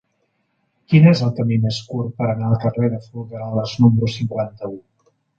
Quin és el camí més curt per anar al carrer de Folgueroles número cinquanta-u?